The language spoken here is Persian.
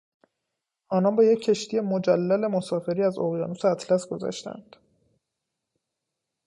آنان با یک کشتی مجلل مسافری از اقیانوس اطلس گذشتند.